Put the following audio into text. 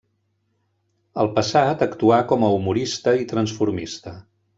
Al passat actuà com a humorista i transformista.